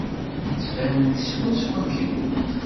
Tettban-d swaswa am kenwi.